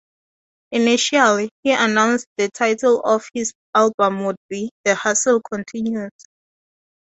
Initially, he announced the title of this album would be "The Hustle Continues".